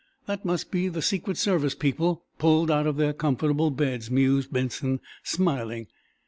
"That must be the Secret Service people, pulled out of their comfortable beds," mused Benson, smiling.